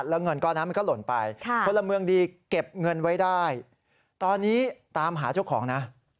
แล้วเงินก้อนนั้นมันก็หล่นไปพลเมืองดีเก็บเงินไว้ได้ตอนนี้ตามหาเจ้าของนะ